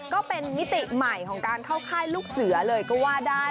ก็เป็นมิติใหม่ของการเข้าค่ายลูกเสือเลยก็ว่าได้